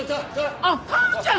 あっ薫ちゃん！